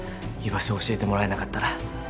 居場所を教えてもらえなかったら？